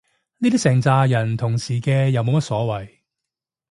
呢啲成咋人同時嘅又冇乜所謂